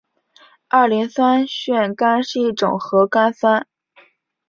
二磷酸腺苷是一种核苷酸。